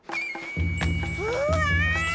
うわ！